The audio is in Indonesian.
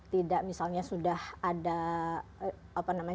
tidak misalnya sudah ada